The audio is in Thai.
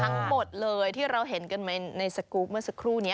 ทั้งหมดเลยที่เราเห็นกันในสกรูปเมื่อสักครู่นี้